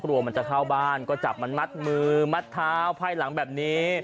ชะบ้านก็จะเข้าบ้านก็จับมันมัดมือมัดเท้าภัยหลังแบบนี้